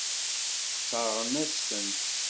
Sseṛɣen-as-ten.